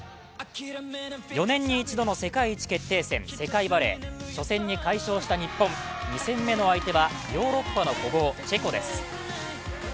４年に１度の世界一決定戦世界バレー初戦に快勝した日本、２戦目の相手はヨーロッパの古豪・チェコです。